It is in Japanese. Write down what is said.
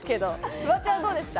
フワちゃんどうですか？